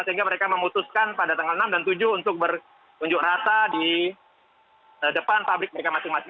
sehingga mereka memutuskan pada tanggal enam dan tujuh untuk berunjuk rasa di depan pabrik mereka masing masing